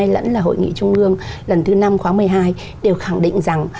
lẫn là hội nghị trung ngương lần thứ năm khoáng một mươi hai đều khẳng định rằng